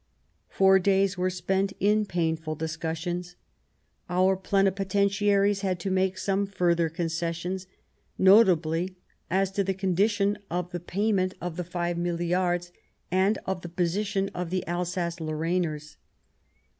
Four days were spent in painful discussions ; our Plenipotentiaries had to make some further concessions, notably as to the condition of the payment of the five milliards and of the position of the Alsace Lorrainers.